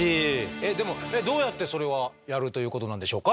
えっでもどうやってそれはやるということなんでしょうか？